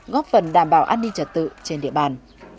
góp phần đảm bảo an ninh trật tự trên địa bàn